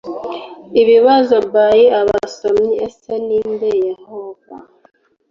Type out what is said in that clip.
Ibibazo by abasomyi Ese ni nde yehova